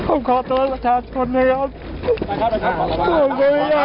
โอ้โฮโทษโทษ